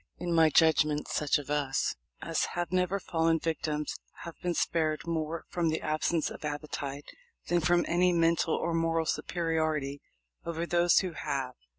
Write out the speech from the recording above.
In my judgment such of us as have never fallen victims have been spared more from the absence of appetite than from any mental or moral superiority over those who have.